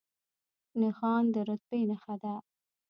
نښان د رتبې نښه ده